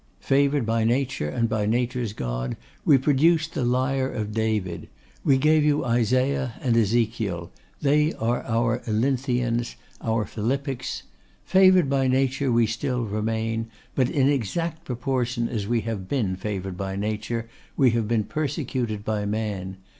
'Favoured by Nature and by Nature's God, we produced the lyre of David; we gave you Isaiah and Ezekiel; they are our Olynthians, our Philippics. Favoured by Nature we still remain: but in exact proportion as we have been favoured by Nature we have been persecuted by Man.